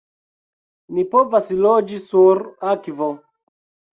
"Ni povas loĝi sur akvo!"